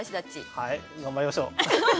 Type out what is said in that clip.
はい頑張りましょう。